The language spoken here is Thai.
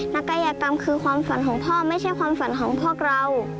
กายกรรมคือความฝันของพ่อไม่ใช่ความฝันของพวกเรา